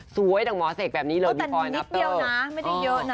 สวยดังหมอเสกแบบนี้เลยพี่ปอยนับเติร์นแต่นิดเดียวนะ